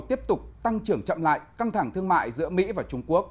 tiếp tục tăng trưởng chậm lại căng thẳng thương mại giữa mỹ và trung quốc